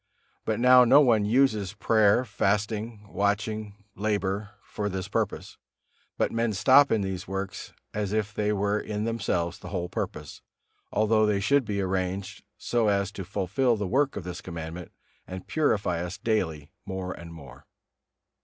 But now no one uses prayer, fasting, watching, labor for this purpose, but men stop in these works as if they were in themselves the whole purpose, although they should be arranged so as to fulfil the work of this Commandment and purify us daily more and more.